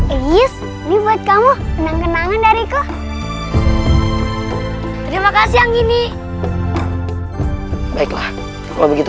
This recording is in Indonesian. iis ini buat kamu kenang kenangan dari ku terima kasih yang ini baiklah kalau begitu